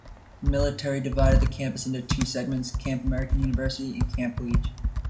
The military divided the campus into two segments, Camp American University and Camp Leach.